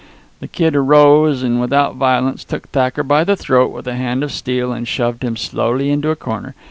The Kid arose and, without violence, took Thacker by the throat with a hand of steel, and shoved him slowly into a corner.